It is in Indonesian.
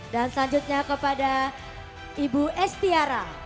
dan selanjutnya kepada ibu estiara